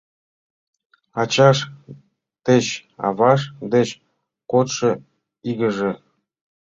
Ачаж деч, аваж деч кодшо игыже